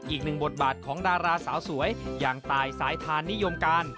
อีกหนึ่งบทบาทของดาราสาวสวยอย่างตายสายทานนิยมการ